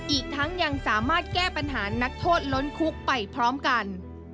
อีกทั้งยังสามารถแก้ปัญหานักโทษล้นคุกไปพร้อมกัน